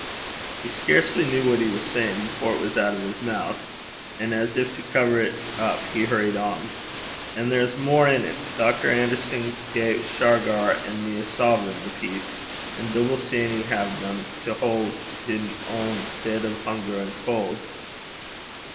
He scarcely knew what he was saying before it was out of his mouth; and as if to cover it up, he hurried on. 'An' there's mair in 't. Dr. Anderson gae Shargar an' me a sovereign the piece. An' Dooble Sanny s' hae them, to haud him ohn deid o' hunger an' cauld.'